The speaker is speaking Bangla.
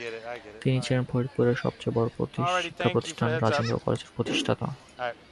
তিনি ছিলেন ফরিদপুরের সবচেয়ে বড় শিক্ষা প্রতিষ্ঠান রাজেন্দ্র কলেজের প্রতিষ্ঠাতা।